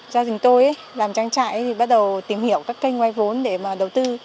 gia đình tôi làm trang trại thì bắt đầu tìm hiểu các kênh vay vốn để mà đầu tư